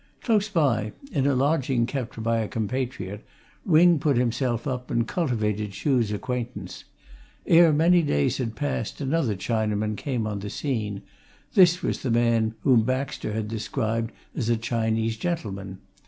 Close by, in a lodging kept by a compatriot, Wing put himself up and cultivated Chuh's acquaintance. Ere many days had passed another Chinaman came on the scene this was the man whom Baxter had described as a Chinese gentleman.